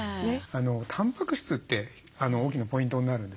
たんぱく質って大きなポイントになるんですね。